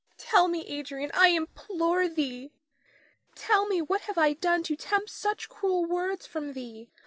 Tell me, Adrian, I implore thee, tell me what have I done to tempt such cruel words from thee?